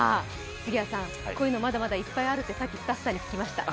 こういうのまだまだいっぱいあるってさっきスタッフさんに聞きました。